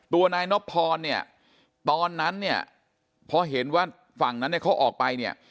ตัวนายนบพรตอนนั้นเพราะเห็นว่าฝั่งนั้นเขาออกไป